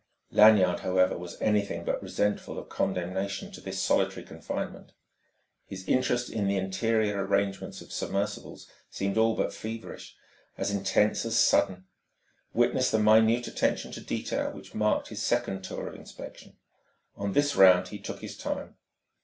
Lanyard, however, was anything but resentful of condemnation to this solitary confinement. His interest in the interior arrangements of submersibles seemed all but feverish, as intense as sudden; witness the minute attention to detail which marked his second tour of inspection. On this round he took his time.